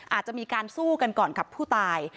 อาจจะมีการสู้กันก่อนกับผู้ตาย